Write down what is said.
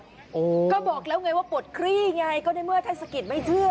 ก็บอกแล้วไงว่าปวดครีย์ไงก็ได้เมื่อเทศกิจไม่เชื่อ